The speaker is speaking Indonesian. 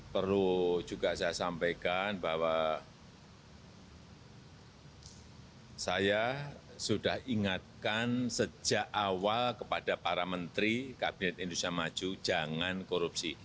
perlu juga saya sampaikan bahwa saya sudah ingatkan sejak awal kepada para menteri kabinet indonesia maju jangan korupsi